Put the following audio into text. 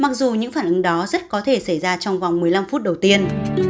mặc dù những phản ứng đó rất có thể xảy ra trong vòng một mươi năm phút đầu tiên